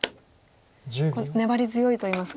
粘り強いといいますか。